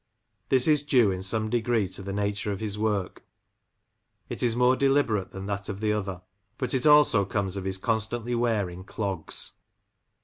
This is due in some degree to the nature of his work ; it is more deliberate than that of the other ; but it also comes of his constantly wearing clogs.